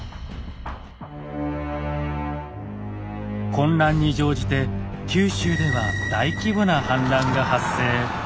混乱に乗じて九州では大規模な反乱が発生。